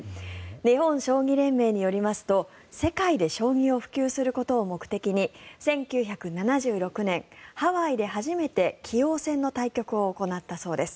日本将棋連盟によりますと世界で将棋を普及することを目的に１９７６年、ハワイで初めて棋王戦の対局を行ったそうです。